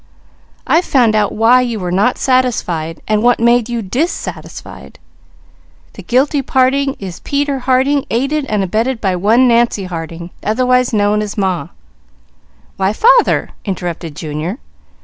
I've found out why you were not satisfied, and who made you dissatisfied. The guilty party is Peter Harding, aided and abetted by one Nancy Harding, otherwise known as Ma " "Why father!" interrupted Junior.